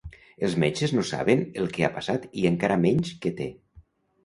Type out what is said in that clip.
Els metges no saben el que ha passat i encara menys que té.